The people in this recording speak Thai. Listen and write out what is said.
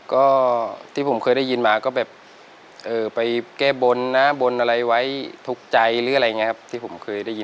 ก็ที่ผมเคยได้ยินมาก็แบบไปแก้บนนะบนอะไรไว้ทุกข์ใจหรืออะไรอย่างนี้ครับ